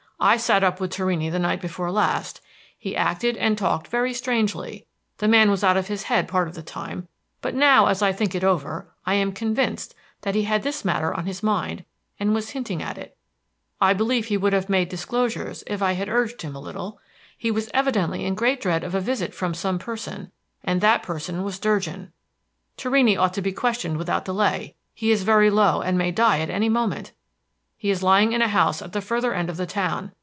I sat up with Torrini the night before last; he acted and talked very strangely; the man was out of his head part of the time, but now, as I think it over, I am convinced that he had this matter on his mind, and was hinting at it. I believe he would have made disclosures if I had urged him a little. He was evidently in great dread of a visit from some person, and that person was Durgin. Torrini ought to be questioned without delay; he is very low, and may die at any moment. He is lying in a house at the further end of the town.